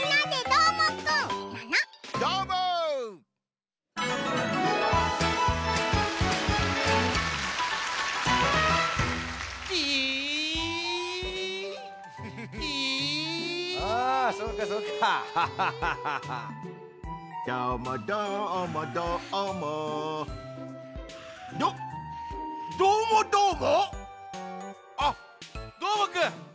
あっどーもくん！